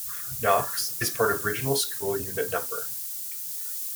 Knox is part of Regional School Unit No.